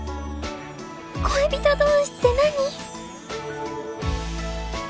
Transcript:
恋人同士って何？